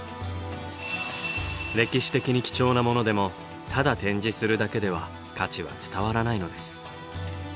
歴史的に貴重なものでもただ展示するだけでは価値は伝わらないのです。